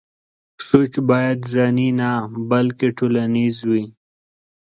سوچ بايد ځاني نه بلکې ټولنيز وي.